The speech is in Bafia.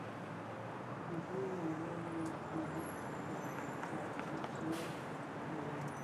Nfuli anë lè Gremisse a ghaksi jèè yilè.